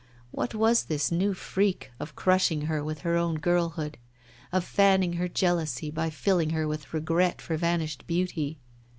What was this new freak of crushing her with her own girlhood, of fanning her jealousy by filling her with regret for vanished beauty?